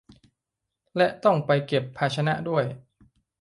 และต้องไปเก็บภาชนะด้วย